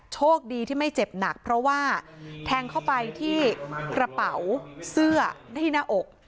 โชคดีที่ไม่เจ็บหนักเพราะว่าแทงเข้าไปที่กระเป๋าเสื้อที่หน้าอก